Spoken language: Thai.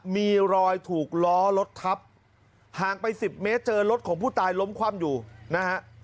มีรอยถูกล้อรถทับห่างไปสิบเมตรเจอรถของผู้ตายล้มคว่ำอยู่นะฮะ